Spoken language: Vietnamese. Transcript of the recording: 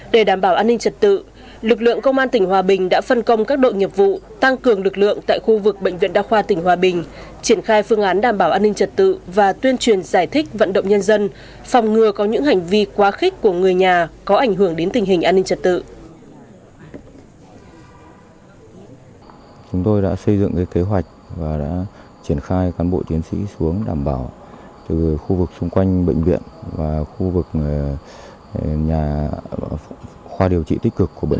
để đảm bảo an ninh trật tự lực lượng công an tỉnh hòa bình đã phân công các đội nhiệm vụ tăng cường lực lượng tại khu vực bệnh viện đa khoa tỉnh hòa bình triển khai phương án đảm bảo an ninh trật tự và tuyên truyền giải thích vận động nhân dân phòng ngừa có những hành vi quá khích của người nhà có ảnh hưởng đến tình hình an ninh trật tự